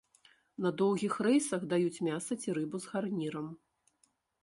На доўгіх рэйсах даюць мяса ці рыбу з гарнірам.